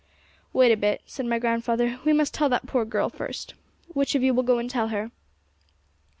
'Wait a bit,' said my grandfather; 'we must tell that poor girl first. Which of you will go and tell her?'